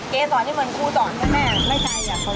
เกศรที่เหมือนคู่สอนใช่ไหม